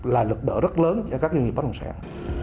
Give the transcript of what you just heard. là lực đỡ rất lớn cho các dân dịch bất động sản